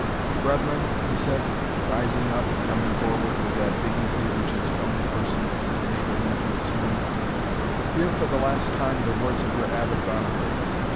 Brethren," he said, rising up, and coming forward with that dignity which his comely person enabled him to assume, "hear for the last time the voice of your Abbot Boniface.